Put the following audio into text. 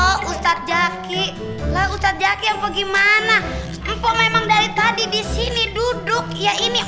oh ustadz zaki ustadz zaki apa gimana empo memang dari tadi di sini duduk ya ini